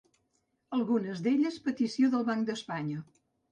Algunes d'elles petició del Banc d'Espanya.